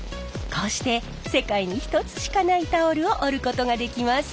こうして世界に一つしかないタオルを織ることができます。